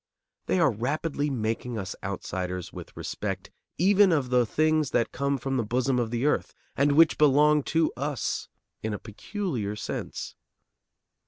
They are rapidly making us outsiders with respect even of the things that come from the bosom of the earth, and which belong to us in a peculiar sense.